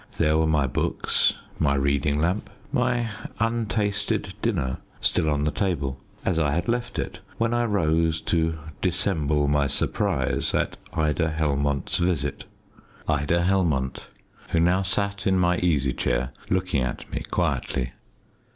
There were my books, my reading lamp, my untasted dinner still on the table, as I had left it when I rose to dissemble my surprise at Ida Helmont's visit Ida Helmont, who now sat in my easy chair looking at me quietly.